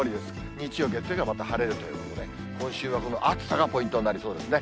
日曜、月曜がまた晴れるということで、今週はこの暑さがポイントになりそうですね。